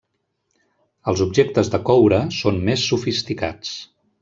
Els objectes de coure són més sofisticats.